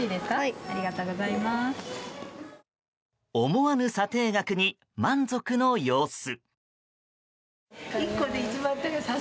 思わぬ査定額に満足の様子。